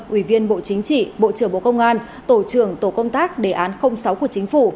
ủy viên bộ chính trị bộ trưởng bộ công an tổ trưởng tổ công tác đề án sáu của chính phủ